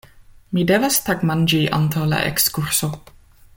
Mi devas tagmanĝi antaŭ la ekskurso!